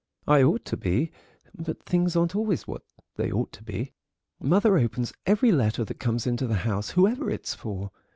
"I ought to be, but things aren't always what they ought to be. Mother opens every letter that comes into the house, whoever it's for.